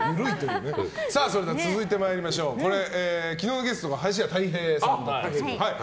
それでは、続いて昨日のゲストが林家たい平さんで。